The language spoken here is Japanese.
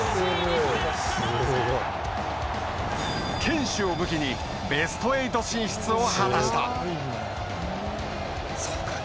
堅守を武器にベスト８進出を果たした。